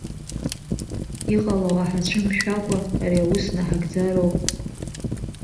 Иҟалауа ҳацәымшәакәа ари аус наҳагӡароуп.